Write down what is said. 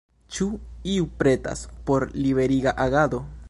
Ĉu iu pretas por liberiga agado?